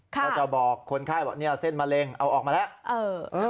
เขาจะบอกคนไข้บอกเส้นมะเร็งเอาออกมาแล้ว